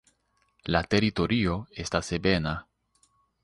La teritorio estas ebena.